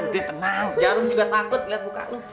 udah tenang jarum juga takut liat muka lu